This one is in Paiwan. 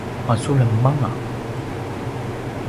masulem anga